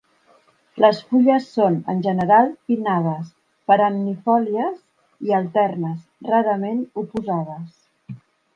Les fulles són, en general, pinnades, perennifòlies i alternes, rarament oposades.